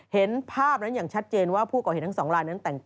เห็นภาพนั้นอย่างชัดเจนว่าผู้เก่าเห็นทั้ง๒ลายนั้น